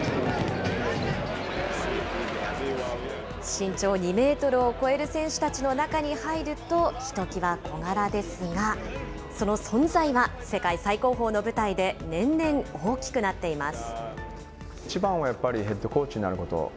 身長２メートルを超える選手たちの中に入るとひときわ小柄ですが、その存在は世界最高峰の舞台で年々大きくなっています。